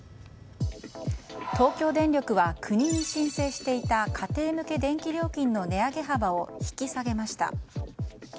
東京電力は、国に申請していた家庭向け電気料金の値上げ幅を引き下げました。